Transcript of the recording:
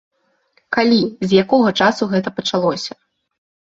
Калі, з якога часу гэта пачалося?